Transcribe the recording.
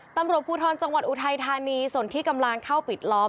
ตำรวจภูทรจังหวัดอุทัยธานีส่วนที่กำลังเข้าปิดล้อม